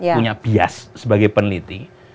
punya bias sebagai peneliti